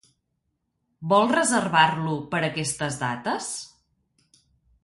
Vol reservar-lo per aquestes dates?